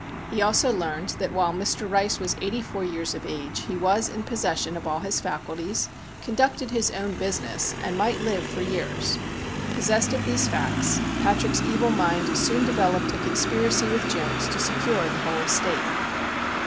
He also learned that while Mr. Rice was 84 years of age he was in possession of all his faculties, conducted his own business, and might live for years. Possessed of these facts Patrick's evil mind soon developed a conspiracy with Jones to secure the whole estate.